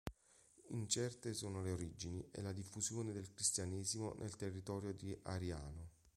Incerte sono le origini e la diffusione del cristianesimo nel territorio di Ariano.